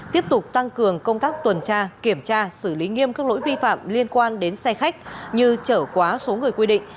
tiếp tục tăng cường công tác tuần tra kiểm tra xử lý nghiêm các lỗi vi phạm liên quan đến xe khách như chở quá số người quy định